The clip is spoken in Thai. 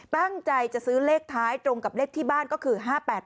ตั้งใจจะซื้อเลขท้ายตรงกับเลขที่บ้านก็คือ๕๘๘